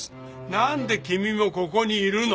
なんで君もここにいるの？